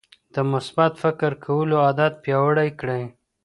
د مثبت فکر کولو عادت پیاوړی کړئ.